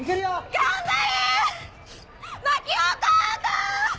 頑張れ！